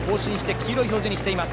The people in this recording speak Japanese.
黄色い表示にしています。